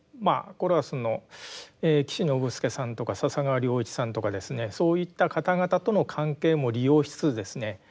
これはその岸信介さんとか笹川良一さんとかですねそういった方々との関係も利用しつつですね